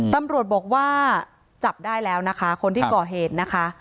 ตำรวจบอกว่าจับได้แล้วนะคะคนที่ก่อเหตุนะคะ